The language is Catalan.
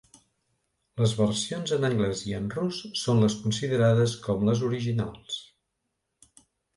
Les versions en anglès i en rus són les considerades com les originals.